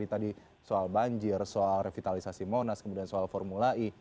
tadi soal banjir soal revitalisasi monas kemudian soal formula e